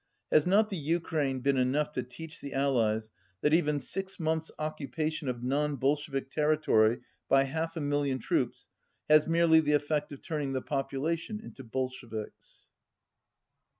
"Has 211 not the Ukraine been enough to teach the Allies that even six months' occupation of non Bolshevik territory by half a million troops has merely the effect of turning the population into Bolsheviks?"